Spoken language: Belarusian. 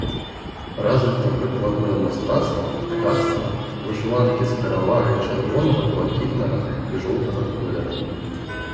Развіта прыкладное мастацтва, ткацтва, вышыванкі з перавагай чырвонага, блакітнага і жоўтага колераў.